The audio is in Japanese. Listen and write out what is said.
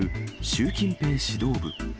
習近平指導部。